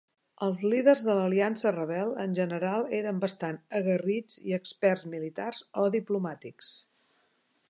Els Líders de l'Aliança Rebel en general eren bastant aguerrits i experts militars o diplomàtics.